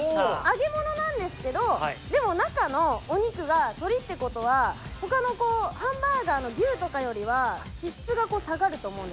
揚げ物なんですけどでも中のお肉が鶏って事は他のハンバーガーの牛とかよりは脂質が下がると思うんですよ。